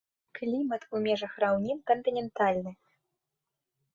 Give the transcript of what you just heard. Клімат у межах раўнін кантынентальны.